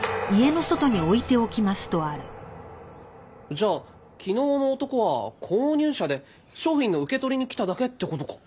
じゃあ昨日の男は購入者で商品の受け取りに来ただけって事か。